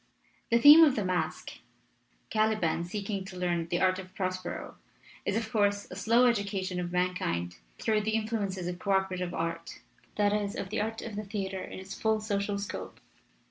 "The theme of the masque Caliban seeking to learn the art of Prospero is, of course, the slow education of mankind through the influences of 3'S MASQUE AND DEMOCRACY co operative art that is, of the art of the theater in its full social scope.